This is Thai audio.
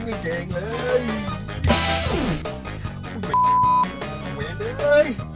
ไฟถึงออกไป